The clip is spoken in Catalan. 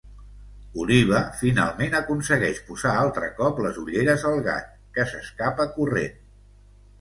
Oliva, finalment, aconsegueix posar altre cop les ulleres al gat, que s'escapa corrent.